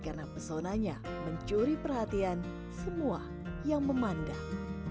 karena pesonanya mencuri perhatian semua yang memandang